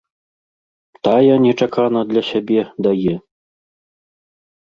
Тая нечакана для сябе дае.